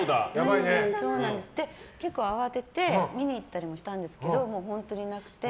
結構、慌てて見に行ったりもしたんですけどもう本当になくて。